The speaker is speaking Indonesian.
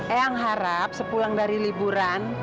eyang harap sepulang dari liburan